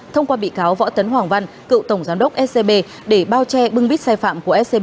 thông qua bị cáo võ tấn hoàng văn cựu tổng giám đốc scb để bao che bưng bít sai phạm của scb